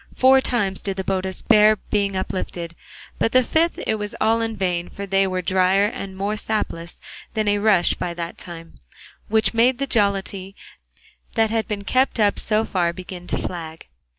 Four times did the botas bear being uplifted, but the fifth it was all in vain, for they were drier and more sapless than a rush by that time, which made the jollity that had been kept up so far begin to flag.